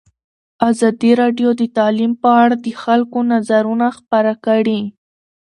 ازادي راډیو د تعلیم په اړه د خلکو نظرونه خپاره کړي.